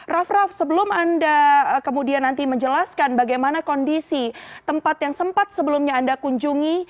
raff raff sebelum anda kemudian nanti menjelaskan bagaimana kondisi tempat yang sempat sebelumnya anda kunjungi